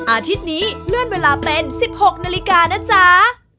อาทิตย์นี้เลื่อนเวลาเป็น๑๖นาฬิกานะจ๊ะ